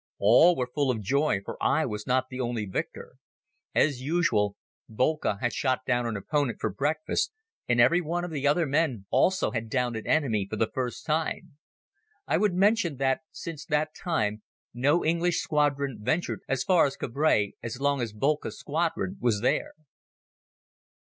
All were full of joy for I was not the only victor. As usual, Boelcke had shot down an opponent for breakfast and every one of the other men also had downed an enemy for the first time. I would mention that since that time no English squadron ventured as far as Cambrai as long as Boelcke's squadron was there.